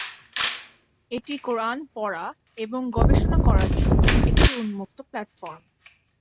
এটি কুরআন পড়া এবং গবেষণা করার জন্য একটি উন্মুক্ত প্ল্যাটফর্ম।